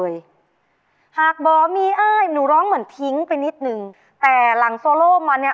ฉะนั้นแล้วตอนนี้คะแนนจะเหลือจากพี่เวสป้าและพี่จิ้งหรีดขาวนะคะ